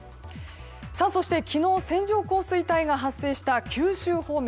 そして昨日線状降水帯が発生した九州方面。